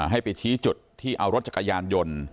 ให้ไปชี้จุดที่เอารถจักรยานยนต์